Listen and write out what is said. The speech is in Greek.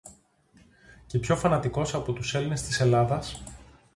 Και πιο φανατικός από τους Έλληνες της Ελλάδας